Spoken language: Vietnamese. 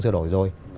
giờ đổi rồi